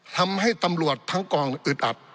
ทำให้ตำรวจทั้งกองอึดอัด